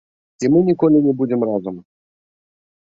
І мы ніколі не будзем разам.